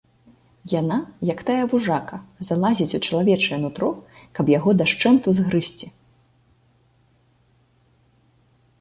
Яна, як тая вужака, залазіць у чалавечае нутро, каб яго дашчэнту згрызці.